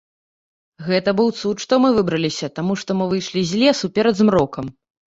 Гэта быў цуд, што мы выбраліся, таму што мы выйшлі з лесу перад змрокам.